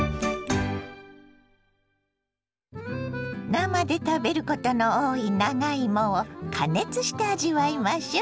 生で食べることの多い長芋を加熱して味わいましょ。